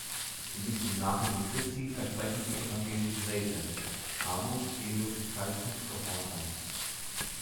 Die Missionarinnen Christi versprechen die evangelischen Räte: Armut, Ehelosigkeit und Gehorsam.